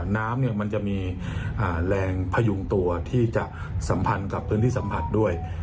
น้ำมันจะมีแรงพยุงตัวที่จะสัมพันธ์กับพื้นที่สัมผัสด้วย